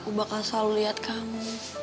aku bakal selalu lihat kamu